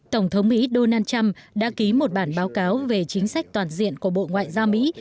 tổng thống mỹ donald trump đã ký một bản báo cáo về chính sách toàn diện của bộ ngoại giao mỹ